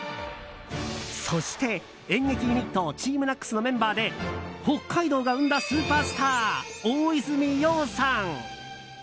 そして演劇ユニットＴＥＡＭＮＡＣＳのメンバーで北海道が生んだスーパースター大泉洋さん。